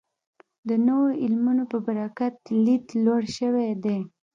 د نویو علومو په برکت لید لوړ شوی دی.